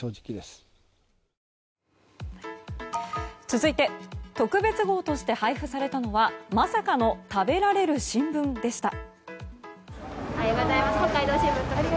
続いて特別号として配布されたのはまさかの食べられる新聞でした。